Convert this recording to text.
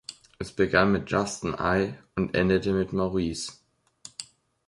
Es begann mit Justin I und endete mit Maurice.